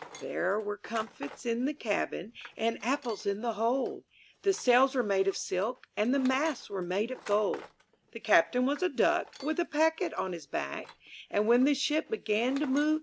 There were comfits in the cabin, And apples in the hold; The sails were made of silk, And the masts were made of gold The Captain was a duck, \''l With a packet on his back; And when the ship began to move.